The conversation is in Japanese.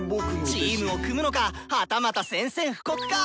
チームを組むのかはたまた宣戦布告か⁉